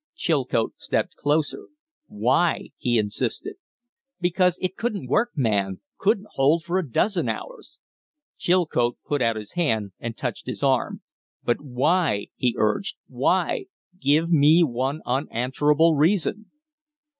Chilcote stepped closer. "Why?" he insisted. "Because it couldn't work, man! Couldn't hold for a dozen hours." Chilcote put out his hand and touched his arm. "But why?" he urged. "Why? Give me one unanswerable reason."